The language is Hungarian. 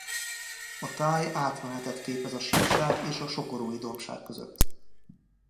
A táj átmenetet képez a síkság és a Sokorói-dombság között.